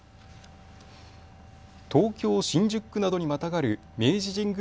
東京新宿区などにまたがる明治神宮